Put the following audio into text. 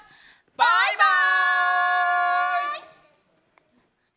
バイバイ！